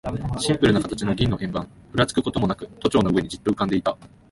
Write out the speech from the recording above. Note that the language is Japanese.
シンプルな形の銀の円盤、ふらつくこともなく、都庁の上にじっと浮んでいた。